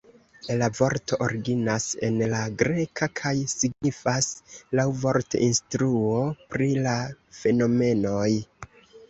La vorto originas en la greka kaj signifas laŭvorte "instruo pri la fenomenoj".